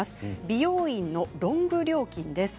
美容院のロング料金です。